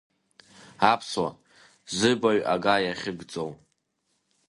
Аԥсуа, зыбаҩ ага иахьыгӡоу!